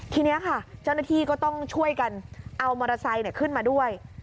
ทีนี้ค่ะเจ้าหน้าที่ก็ต้องช่วยกันเอามอเตอร์ไซค์ขึ้นมาด้วย